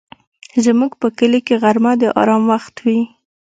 زموږ په کلي کې غرمه د آرام وخت وي